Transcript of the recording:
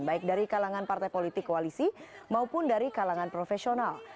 baik dari kalangan partai politik koalisi maupun dari kalangan profesional